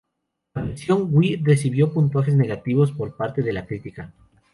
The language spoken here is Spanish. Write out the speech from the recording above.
La versión Wii recibió puntajes negativos por parte de la crítica.